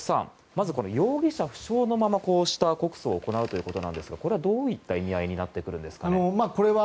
まず容疑者不詳のままこうした告訴を行うということなんですがこれはどういった意味合いになってくるんですかね。